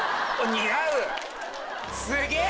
似合う！